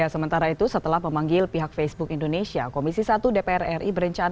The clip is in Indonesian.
sementara itu setelah memanggil pihak facebook indonesia komisi satu dpr ri berencana